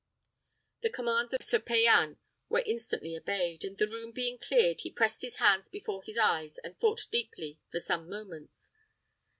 The commands of Sir Payan were instantly obeyed; and the room being cleared, he pressed his hands before his eyes, and thought deeply for some moments.